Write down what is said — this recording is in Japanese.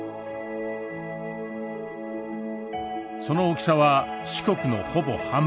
その大きさは四国のほぼ半分。